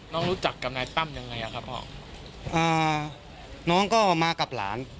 รู้จักกับนายตั้มยังไงอ่ะครับพ่ออ่าน้องก็มากับหลาน